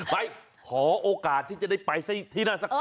ไปขอโอกาสที่จะได้ไปที่หน้าสักการ